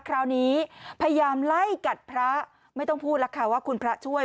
คราวนี้พยายามไล่กัดพระไม่ต้องพูดแล้วค่ะว่าคุณพระช่วย